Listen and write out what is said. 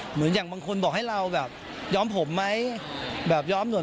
เหมือนอย่างบางคนบอกให้เราแบบย้อมผมไหมแบบย้อมหน่อย